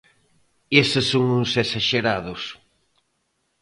Eses son uns esaxerados!